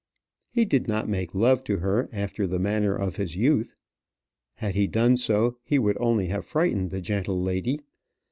He did not make love to her after the manner of his youth. Had he done so, he would only have frightened the gentle lady.